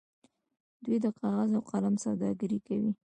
دوی د کاغذ او قلم سوداګري کوي.